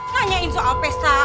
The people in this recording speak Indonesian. nanyain soal pesta